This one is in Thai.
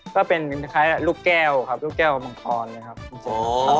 ก็เป็นคล้ายลูกแก้วครับลูกแก้วกับมังกรเลยครับ